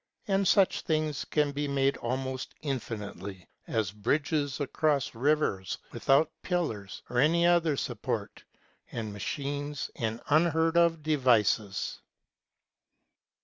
And such things can be made almost infinitely, as bridges across rivers without pillars or any other support, and machines, and unheard of devices.